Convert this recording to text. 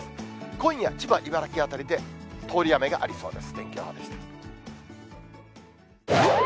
今夜、千葉、茨城辺りで通り雨がありそうです。